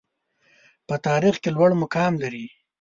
په تاریخ کې لوړ مقام لري.